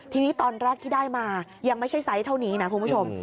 ทีนี้ตอนแรกที่ได้มายังไม่ใช่ไซส์เท่านี้นะคุณผู้ชม